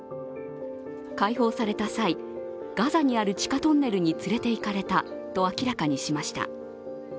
解放された際、ガザにある地下トンネルに連れていかれたと明らかにしました。